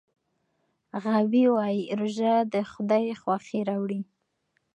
غابي وایي روژه د خدای خوښي راوړي.